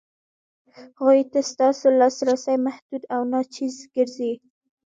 هغو ته ستاسو لاسرسی محدود او ناچیز ګرځي.